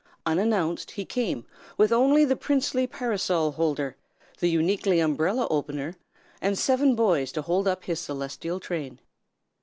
Unannounced he came, with only the Princely Parasol Holder, the Unique Umbrella Opener, and seven boys to hold up his celestial train.